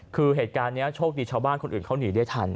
คือเหตุการณ์นี้โชคดีชาวบ้านคนอื่นเขาหนีได้ทัน